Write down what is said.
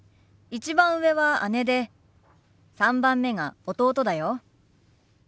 １番上は姉で３番目が弟だよ。